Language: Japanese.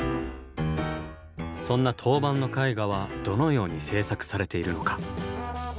そんな陶板の絵画はどのように製作されているのか。